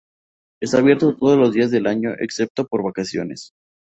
Está abierto todos los días del años excepto por vacaciones.